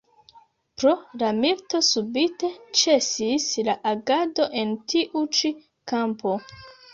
Pro la milito subite ĉesis la agado en tiu ĉi kampo.